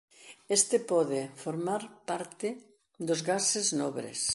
Este pode formar parte dos gases nobres.